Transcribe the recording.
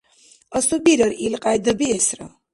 Асубирар илкьяйда биэсра.